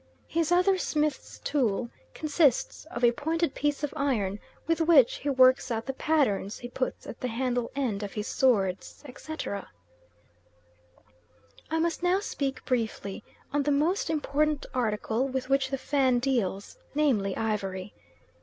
His other smith's tool consists of a pointed piece of iron, with which he works out the patterns he puts at the handle end of his swords, etc. I must now speak briefly on the most important article with which the Fan deals, namely ivory.